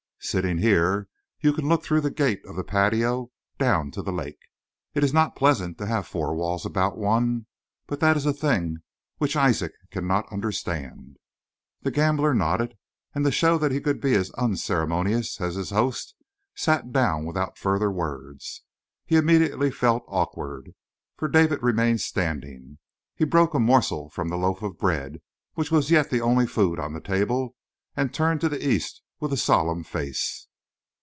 "Sitting here you can look through the gate of the patio and down to the lake. It is not pleasant to have four walls about one; but that is a thing which Isaac cannot understand." The gambler nodded, and to show that he could be as unceremonious as his host, sat down without further words. He immediately felt awkward, for David remained standing. He broke a morsel from the loaf of bread, which was yet the only food on the table, and turned to the East with a solemn face.